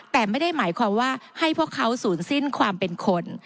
แต่ไม่ได้หมายความว่าให้พวกเขาศูนย์สิ้นความเป็นคน